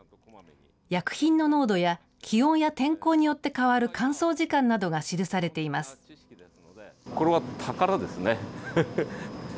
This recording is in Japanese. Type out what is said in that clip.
薬品の濃度や気温や天候によって変わる乾燥時間などが記されています。